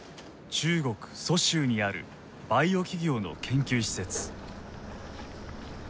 中国・蘇州にあるバイオ企業の研究施設。